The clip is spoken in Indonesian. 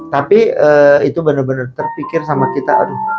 tapi itu bener bener terpikir sama kita